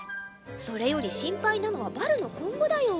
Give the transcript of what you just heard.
それより心配なのはバルの今後だよ。